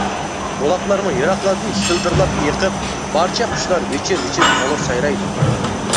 بۇلاقلارمۇ يىراقلاردىن شىلدىرلاپ ئېقىپ، بارچە قۇشلار ۋىچىر-ۋىچىر مۇڭلۇق سايرايدۇ.